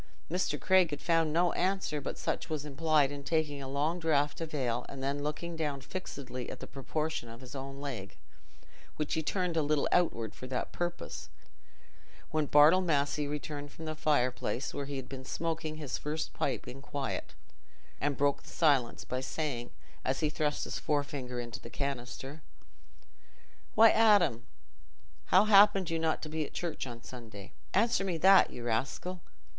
Mr. Craig had found no answer but such as was implied in taking a long draught of ale and then looking down fixedly at the proportions of his own leg, which he turned a little outward for that purpose, when Bartle Massey returned from the fireplace, where he had been smoking his first pipe in quiet, and broke the silence by saying, as he thrust his forefinger into the canister, "Why, Adam, how happened you not to be at church on Sunday? Answer me that, you rascal.